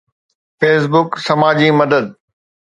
Facebook سماجي مدد